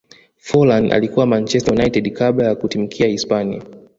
forlan alikuwa manchester united kabla ya kutimkia hispania